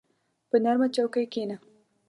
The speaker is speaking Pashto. په نرمه چوکۍ کښېنه.